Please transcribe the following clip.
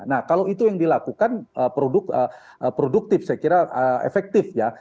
nah kalau itu yang dilakukan produktif saya kira efektif ya